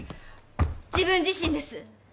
自分自身です。